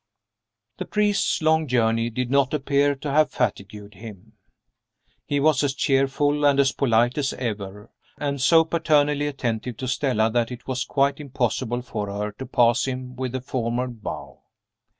THE priest's long journey did not appear to have fatigued him. He was as cheerful and as polite as ever and so paternally attentive to Stella that it was quite impossible for her to pass him with a formal bow.